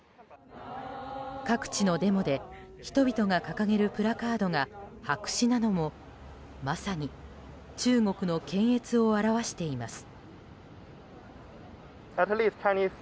各地のデモで人々が掲げるプラカードが白紙なのもまさに中国の検閲を表しています。